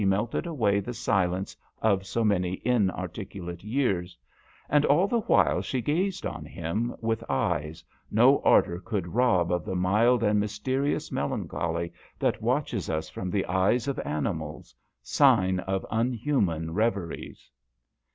melted away the silence of so many inarticulate years ; and all the while she gazed on him with eyes, no ardour could rob of the mild and mysterious melancholy that watches us from the eyes of animals sign of unhuman reveries.